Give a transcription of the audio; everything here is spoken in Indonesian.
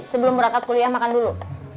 sebelum berangkat kuliah makan dulu